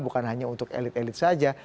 bukan hanya untuk elit elit saja